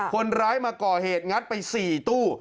คนร้ายมาก่อเหตุงัดไป๔ตู้